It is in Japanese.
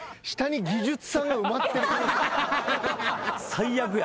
最悪や。